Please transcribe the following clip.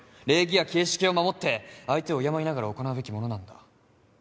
礼儀や形式を守って相手を敬いながら行うべきものなんだ。